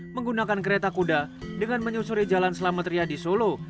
menggunakan kereta kuda dengan menyusuri jalan selametria di solo